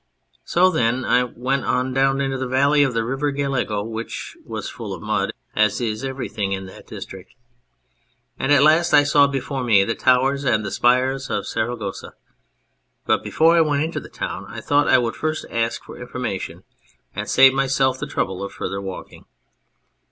So then I went on down the valley of the river Gallego (which was full of mud, as everything is in that district), and at last I saw before me the towers and the spires of Saragossa. But before I went into the town I thought I would first ask for information, and save myself the trouble of further walking.